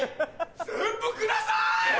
全部ください！